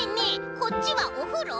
こっちはおふろ？」。